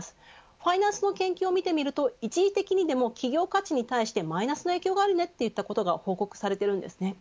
ファイナンスの研究を見てみると一時的にでも企業価値に対してマイナスの影響があるということが報告されているんですね。